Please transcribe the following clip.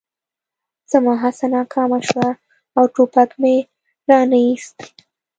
زما هڅه ناکامه شوه او ټوپک مې را نه ایست